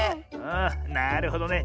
あなるほどね。